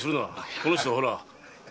この人はほら。